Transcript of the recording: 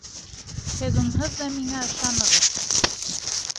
Һеҙ унһыҙ ҙа миңә ышанаһығыҙ.